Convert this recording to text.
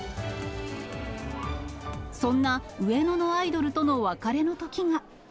そんな上野のアイドルとの別れのときが。